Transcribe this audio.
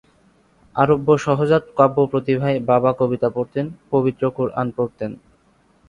আরব্য সহজাত কাব্যপ্রতিভায় বাবা কবিতা পড়তেন, পবিত্র কুরআন পড়তেন।